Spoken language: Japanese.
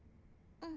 うん。